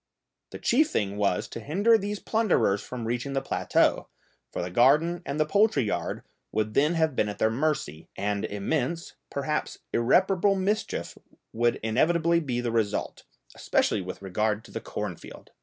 The chief thing was to hinder these plunderers from reaching the plateau, for the garden and the poultry yard would then have been at their mercy, and immense, perhaps irreparable mischief, would inevitably be the result, especially with regard to the cornfield.